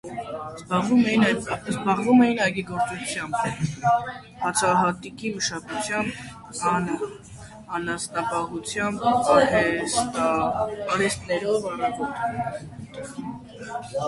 Զբաղվում էին այգեգործությամբ, հացահատիկի մշակությամբ, անասնապահությամբ, արհեստներով, առևտրով։